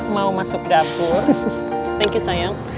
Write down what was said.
mau masuk dapur thank you sayang